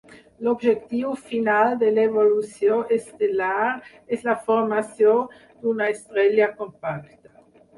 L'objectiu final de l'evolució estel·lar és la formació d'una estrella compacta.